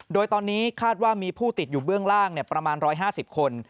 โดยตอนนี้คาดว่ามีผู้ติดอยู่เบื้องล่างประมาณ๑๕๐คน